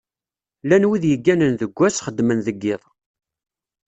Llan wid yegganen deg ass, xeddmen deg iḍ.